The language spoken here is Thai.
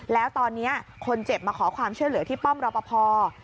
แล้วตอนนี้คนเจ็บมาขอความช่วยเหลือที่ป้อมรอปภ